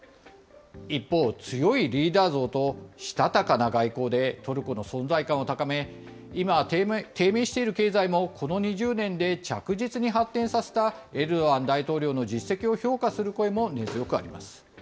一方、強いリーダー像と、したたかな外交でトルコの存在感を高め、今、低迷している経済もこの２０年で着実に発展させたエルドアン大統領の実績を評価する声も根強くあります。